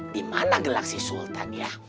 dimana gelang si sultan ya